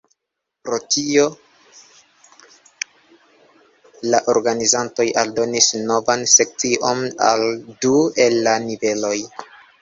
Pro tio, la organizantoj aldonis novan sekcion al du el la niveloj.